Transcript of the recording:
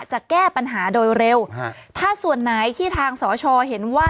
จะแก้ปัญหาโดยเร็วถ้าส่วนไหนที่ทางสชเห็นว่า